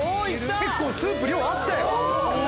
結構スープ量あったよ。